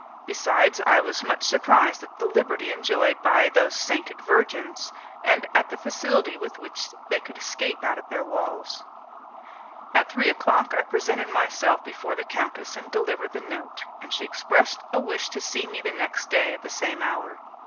Besides, I was much surprised at the liberty enjoyed by those sainted virgins, and at the facility with which they could escape out of their walls. At three o'clock I presented myself before the countess and delivered the note, and she expressed a wish to see me the next day at the same hour.